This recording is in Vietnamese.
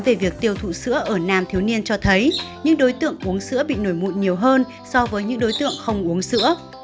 về việc tiêu thụ sữa ở nam thiếu niên cho thấy những đối tượng uống sữa bị nổi mụn nhiều hơn so với những đối tượng không uống sữa